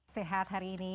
sehat hari ini